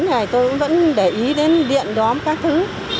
hàng ngày bán tôi vẫn để ý đến điện đón các thứ